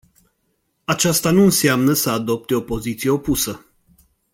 Aceasta nu înseamnă să adopte o poziție opusă.